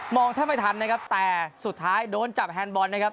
แทบไม่ทันนะครับแต่สุดท้ายโดนจับแฮนดบอลนะครับ